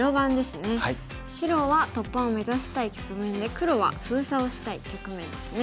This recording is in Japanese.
白は突破を目指したい局面で黒は封鎖をしたい局面ですね。